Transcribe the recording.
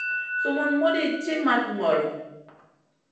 Sumun muɗi ci mat ŋolo.